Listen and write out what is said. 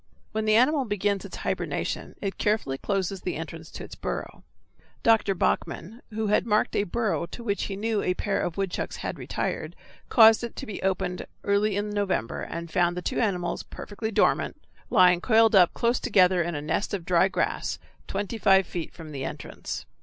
When the animal begins its hibernation it carefully closes the entrance to its burrow. Dr. Bachmann, who had marked a burrow to which he knew a pair of woodchucks had retired, caused it to be opened early in November, and found the two animals, perfectly dormant, lying coiled up close together in a nest of dry grass, twenty five feet from the entrance.